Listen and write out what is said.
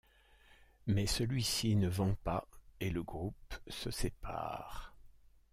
Mais celui-ci ne vend pas et le groupe se sépare.